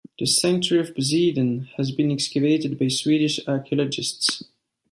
The Sanctuary of Poseidon has been excavated by Swedish archaeologists.